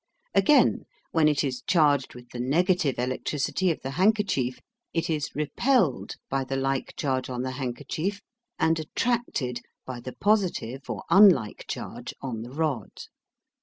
Again, when it is charged with the negative electricity of the handkerchief it is REPELLED by the like charge on the handkerchief and ATTRACTED by the positive or unlike charge on the rod.